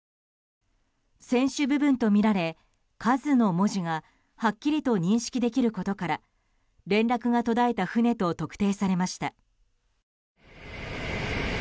船首部分とみられ「ＫＡＺＵ」の文字がはっきりと認識できることから連絡が途絶えた船と特定されました。